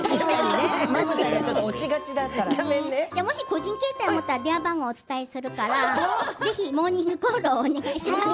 個人携帯持ったら番号をお伝えするからぜひモーニングコールお願いします。